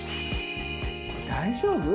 大丈夫？